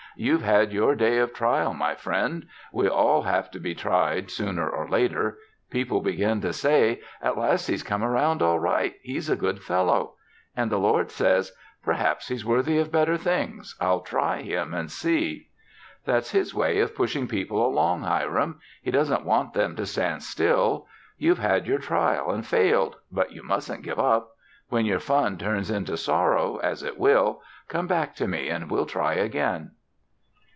You've had your day of trial, my friend. We all have to be tried soon or late. People begin to say, 'At last he's come around all right. He's a good fellow.' And the Lord says: 'Perhaps he's worthy of better things. I'll try him and see.' "That's His way of pushing people along, Hiram. He doesn't want them to stand still. You've had your trial and failed, but you mustn't give up. When your fun turns into sorrow, as it will, come back to me and we'll try again."